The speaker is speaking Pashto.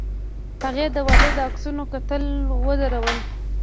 هغې د واده د عکسونو کتل ودرول.